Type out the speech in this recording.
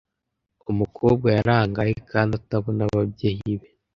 Umukobwa yarangaye kandi atabona ababyeyi be.